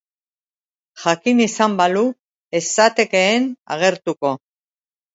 Jakin izan balu, ez zatekeen agertuko.